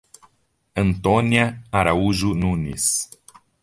Antônia Araújo Nunes